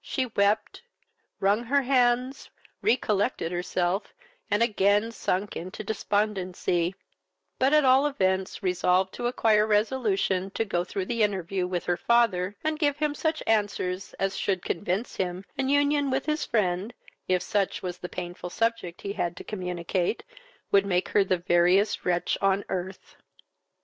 She wept, wrung her hands, recollected herself, and again sunk into despondency; but at all events resolved to acquire resolution to go through the interview with her father, and give him such answers as should convince him an union with his friend (if such was the painful subject he had to communicate) would make her the veriest wretch on earth.